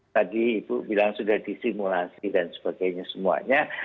tadi ibu bilang sudah disimulasi dan sebagainya semuanya